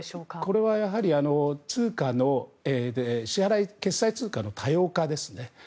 これは決済通貨の多様化ですね。